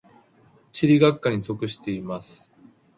地理学科に属しています。